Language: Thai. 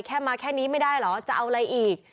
แค่มาแค่นี้ไม่ได้เหรอจะเอาอะไรอีก